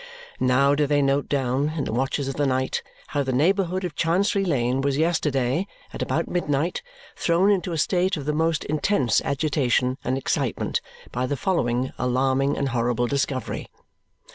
Now do they note down, in the watches of the night, how the neighbourhood of Chancery Lane was yesterday, at about midnight, thrown into a state of the most intense agitation and excitement by the following alarming and horrible discovery.